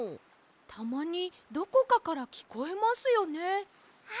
たまにどこかからきこえますよね。